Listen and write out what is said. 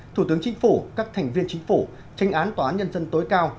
thủ tướng chính phủ các thành viên chính phủ tranh án tòa án nhân dân tối cao